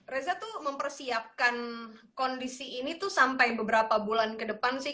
reza tuh mempersiapkan kondisi ini tuh sampai beberapa bulan ke depan sih